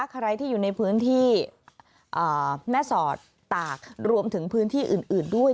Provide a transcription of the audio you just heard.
ใครที่อยู่ในพื้นที่แม่สอดตากรวมถึงพื้นที่อื่นด้วย